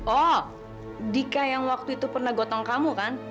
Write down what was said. oh dika yang waktu itu pernah gotong kamu kan